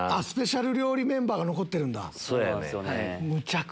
スペシャル料理メンバーが残ってるんだ！